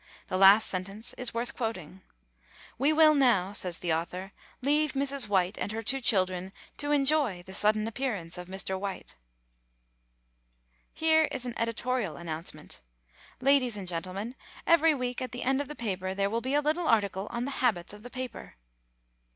The last sentence is worth quoting: "We will now," says the author, "leave Mrs. White and her two children to enjoy the sudden appearance of Mr. White." Here is an editorial announcement: "Ladies and gentlemen, every week at the end of the paper there will be a little article on the habits of the paper."